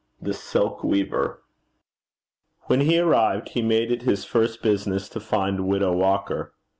THE SILK WEAVER. When he arrived he made it his first business to find 'Widow Walker.'